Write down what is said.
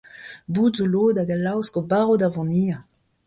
Bout zo lod hag a laosk o barv da vont hir.